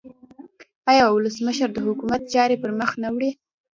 آیا ولسمشر د حکومت چارې پرمخ نه وړي؟